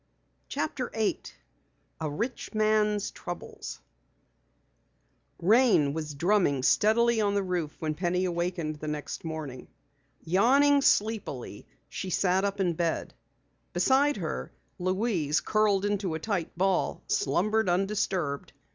CHAPTER 8 A RICH MAN'S TROUBLES Rain was drumming on the roof when Penny awakened the next morning. Yawning sleepily, she sat up in bed. Beside her, Louise, curled into a tight ball, slumbered undisturbed.